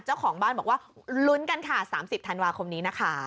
เจ้าของบ้านบอกว่าลุ้นกันค่ะ๓๐ธันวาคมนี้นะคะ